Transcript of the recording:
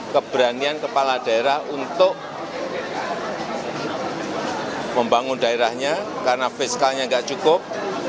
keberanian kepala daerah untuk membangun daerahnya karena fiskalnya nggak cukup